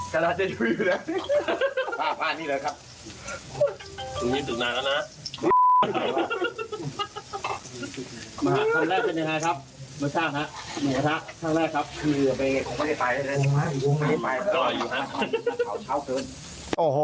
ขนาดจะอยู่